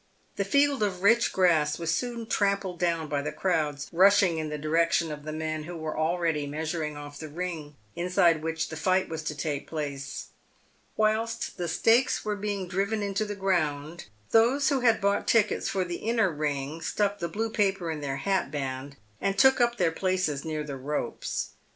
The field of rich grass was soon trampled down by the crowds rushing in the direction of the men who were already measuring off the ring, inside which the fight was to take place. Whilst the stakes were being driven into the ground, those who had bought tickets for the inner ring stuck the blue paper in their hatband, and took up their places near the ropes.